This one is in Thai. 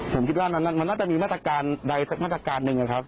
ผมคิดว่ามันน่าจะมีมาตรการใดสักมาตรการหนึ่งนะครับ